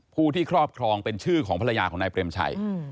ผู้ที่ครอบครองเป็นชื่อของภรรยาของนายเปรมชัย